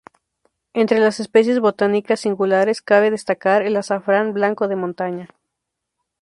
Entre las especies botánicas singulares cabe destacar el azafrán blanco de montaña.